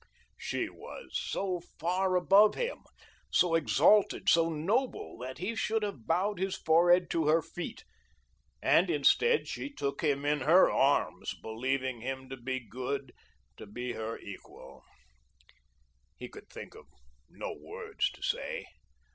She was so far above him, so exalted, so noble that he should have bowed his forehead to her feet, and instead, she took him in her arms, believing him to be good, to be her equal. He could think of no words to say.